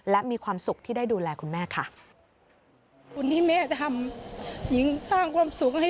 และมีความสุขที่ได้ดูแลคุณแม่ค่ะ